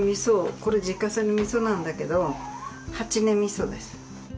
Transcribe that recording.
これ自家製の味噌なんだけど８年味噌です。